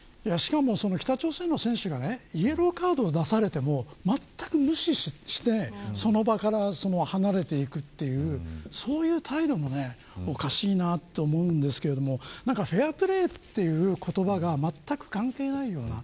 僕も見てましたけど本当に、ぼんぼん反則があってしかも、北朝鮮の選手がイエローカードを出されてもまったく無視してその場から離れていくというそういう態度もおかしいなと思うんですけれどもフェアプレーという言葉がまったく関係ないような。